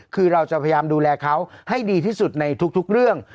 คือเราจะพยายามดูแลเขาให้ดีที่สุดในทุกเรื่อง